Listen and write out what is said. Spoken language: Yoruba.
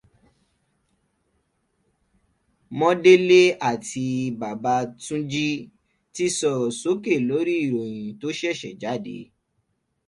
Mọ́délé àti Bàbá Túnjí ti sọ̀rọ̀ sókè lórí ìròyìn tó ṣẹ̀ṣẹ̀ jáde